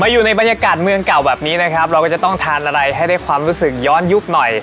อยู่ในบรรยากาศเมืองเก่าแบบนี้นะครับเราก็จะต้องทานอะไรให้ได้ความรู้สึกย้อนยุคหน่อย